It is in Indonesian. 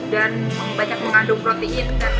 dan banyak mengandung protein